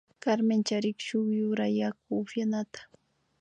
Carmen charin shuk yura yaku upyanata